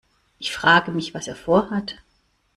Ich frage mich, was er vorhat.